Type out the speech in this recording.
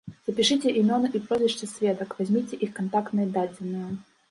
Запішыце імёны і прозвішчы сведак, вазьміце іх кантактныя дадзеныя.